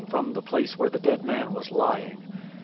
{NU omits "from the place where the dead man was lying."